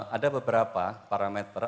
ada beberapa parameter